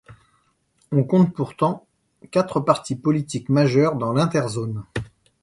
On compte pourtant quatre partis politiques majeurs dans l'Interzone.